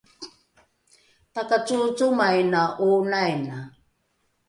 takacoocomaina ’oonaina